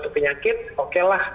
penyakit oke lah